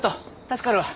助かるわ。